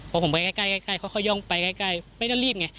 พอผมไปใกล้ค่อยย่องไปใกล้ไม่ได้รีบไง